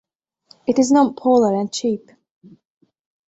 It is non-polar and cheap.